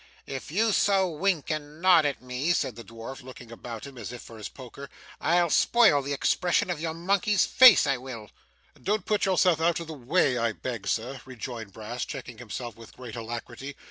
'If you so wink and nod at me,' said the dwarf, looking about him as if for his poker, 'I'll spoil the expression of your monkey's face, I will.' 'Don't put yourself out of the way I beg, sir,' rejoined Brass, checking himself with great alacrity.